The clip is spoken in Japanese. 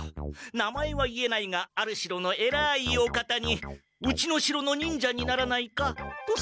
名前は言えないがある城のえらいお方に「うちの城の忍者にならないか？」とさそわれ